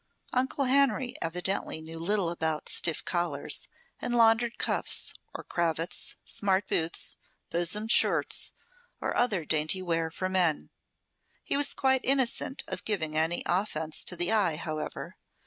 Uncle Henry evidently knew little about stiff collars and laundered cuffs, or cravats, smart boots, bosomed shirts, or other dainty wear for men. He was quite innocent of giving any offence to the eye, however.